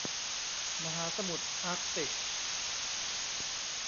มหาสมุทรอาร์กติก